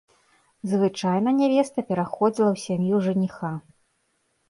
Звычайна нявеста пераходзіла ў сям'ю жаніха.